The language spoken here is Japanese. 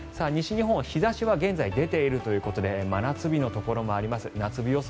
西日本、日差しは現在出ているということで真夏日のところもあります。